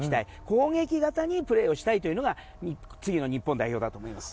攻撃型にプレーをしたいというのが次の日本代表だと思います。